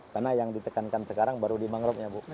karena yang ditekankan sekarang baru di mangrovenya bu